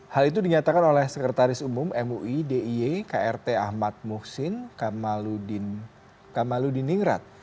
hal itu dinyatakan oleh sekretaris umum mui d i e k r t ahmad muhsin kamaludin ingrat